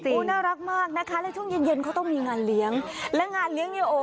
เดี๋ยวโก้เลยใหญ่เร็วเล็กเลยจ้าบ๊าว